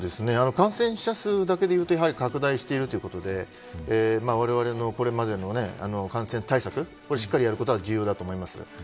感染者数だけでいうと拡大しているということでわれわれの、これまでの感染対策をしっかりやることは重要だと思います。